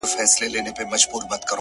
پرتكه سپينه پاڼه وڅڅېدې _